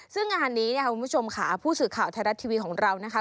ซึ่งงานนี้เนี่ยคุณผู้ชมค่ะผู้สื่อข่าวไทยรัฐทีวีของเรานะคะ